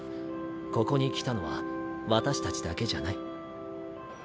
ここに来たのは私たちだけじゃない。